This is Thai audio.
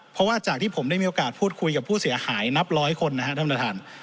เพราะว่าจากที่ผมได้มีโอกาสพูดคุยกับผู้เสียหายนับร้อยคนนะครับท่านประธาน